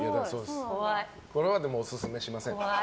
これはオススメしません。